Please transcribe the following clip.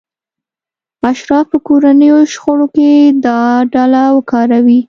اشراف به کورنیو شخړو کې دا ډله وکاروي.